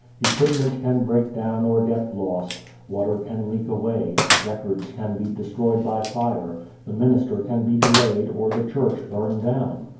Equipment can break down or get lost, water can leak away, records can be destroyed by fire, the minister can be delayed or the church burn down.